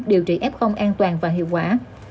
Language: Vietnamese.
điều trị f an toàn và hiệu quả